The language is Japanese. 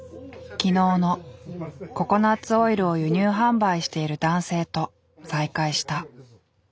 昨日のココナツオイルを輸入販売している男性と再会した。